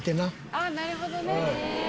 あっなるほどね。